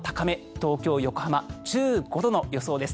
東京、横浜１５度の予想です。